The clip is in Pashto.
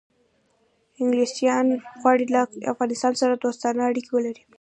انګلیسان غواړي له افغانستان سره دوستانه اړیکې ولري.